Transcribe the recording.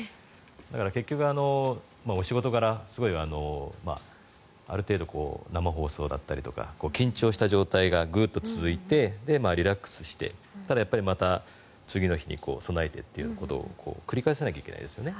だから、結局お仕事柄ある程度、生放送だったりとか緊張した状態がグッと続いてリラックスしてまた次の日に備えてということを繰り返さなきゃいけないですよね。